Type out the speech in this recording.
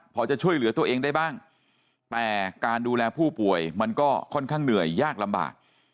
พอจะช่วยเหลือตัวเองได้บ้างแต่การดูแลผู้ป่วยมันก็ค่อนข้างเหนื่อยยากลำบาก